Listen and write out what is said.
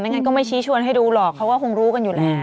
งั้นก็ไม่ชี้ชวนให้ดูหรอกเขาก็คงรู้กันอยู่แล้ว